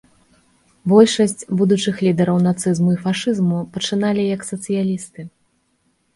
Большасць будучых лідараў нацызму і фашызму пачыналі як сацыялісты.